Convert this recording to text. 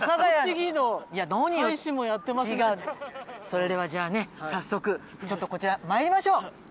それではじゃあね早速ちょっとこちら参りましょう。